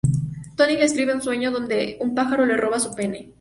Tony le describe un sueño donde un pájaro le roba su pene.